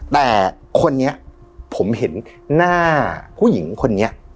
แต่คนนี้ผมเห็นหน้าผู้หญิงคนนี้